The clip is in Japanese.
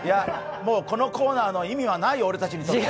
もうこのコーナーの意味はないよ、俺たちにとって。